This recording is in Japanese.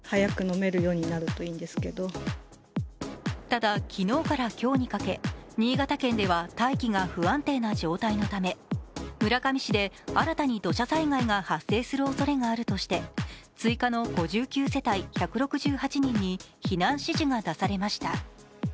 ただ、昨日から今日にかけ新潟県では大気が不安定な状態のため村上市で新たに土砂災害が発生するおそれがあるとして、追加の５９世帯１６８人に避難指示が出されました。